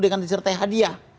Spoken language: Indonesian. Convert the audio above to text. dengan disertai hadiah